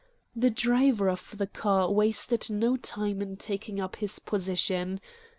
The driver of the car wasted no time in taking up his position.